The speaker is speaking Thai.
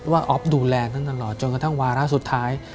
อ๊อฟดูแลท่านตลอดจนกระทั่งวาระสุดท้าย